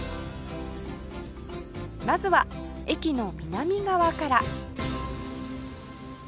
まずは駅の南側から